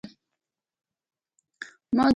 ما د ټولو ډاکترانو نظرونه په زغرده رد کړل